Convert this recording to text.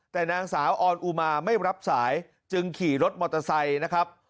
แต่นางสาวออนอุมาไม่รับสายจึงขี่รถมอเตอร์ไซค์นะครับ